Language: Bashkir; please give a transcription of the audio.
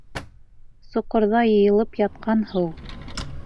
Соҡорҙа йыйылып ятҡан һыу.